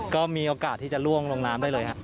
ก็มีโอกาสที่จะล่วงลงน้ำได้เลยครับ